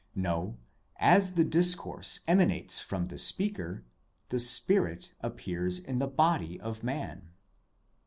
No, as the discourse emanates from the speaker, the spirit appears in the body of man.